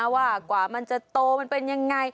ว่ากว่ามันจะโตมันเป็นยังไง